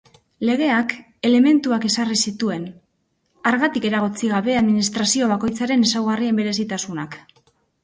Legeak elementuak ezarri zituen, hargatik eragotzi gabe administrazio bakoitzaren ezaugarrien berezitasunak.